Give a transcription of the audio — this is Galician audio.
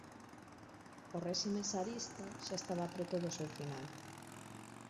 O réxime tsarista xa estaba preto do seu final.